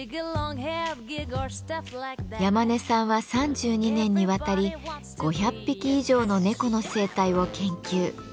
山根さんは３２年にわたり５００匹以上の猫の生態を研究。